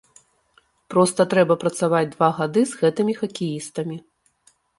Проста трэба працаваць два гады з гэтымі хакеістамі.